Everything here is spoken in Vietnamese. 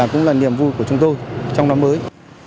cũng là niềm vui của chúng tôi trong năm mới